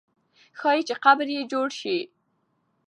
ښایي چې قبر یې جوړ سي.